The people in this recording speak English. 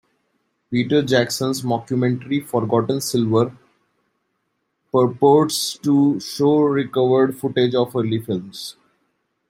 Peter Jackson's mockumentary "Forgotten Silver" purports to show recovered footage of early films.